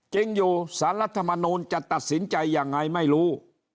จริงอยู่สารรัฐมนูลจะตัดสินใจยังไงไม่รู้